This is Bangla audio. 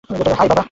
হাই, বাবা!